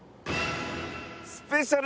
スペシャル